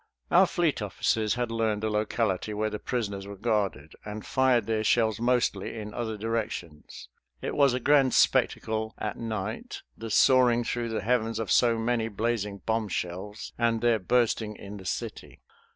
Our fleet officers had learned the locality where the prisoners were guarded, and fired their shells mostly in other directions. It was a grand spectacle at night the soaring through the heavens of so many blazing bombshells and their bursting in the city.